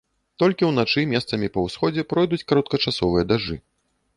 Толькі ўначы месцамі па ўсходзе пройдуць кароткачасовыя дажджы.